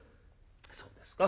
「そうですか。